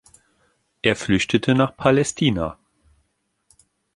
Er flüchtete nach Palästina.